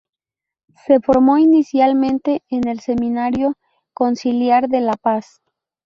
Se formó inicialmente en el Seminario conciliar de La Paz.